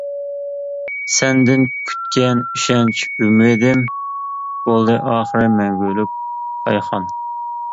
سەندىن كۈتكەن ئىشەنچ، ئۈمىدىم، بولدى ئاخىر مەڭگۈلۈك پايخان.